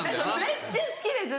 めっちゃ好きでずっと。